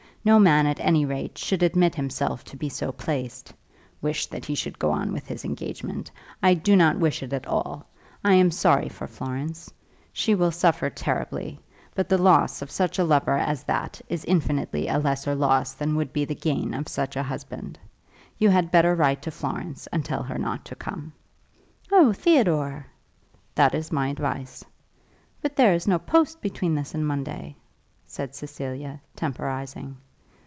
No man, at any rate, should admit himself to be so placed. Wish that he should go on with his engagement! I do not wish it at all. I am sorry for Florence. She will suffer terribly. But the loss of such a lover as that is infinitely a lesser loss than would be the gain of such a husband. You had better write to Florence, and tell her not to come." "Oh, Theodore!" "That is my advice." "But there is no post between this and Monday," said Cecilia temporizing.